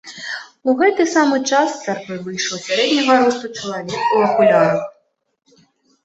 У гэты самы час з царквы выйшаў сярэдняга росту чалавек у акулярах.